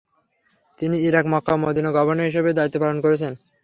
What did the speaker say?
তিনি Iraq, Mecca ও মদিনার গভর্নর হিসেবেও দায়িত্বপালন করেছেন।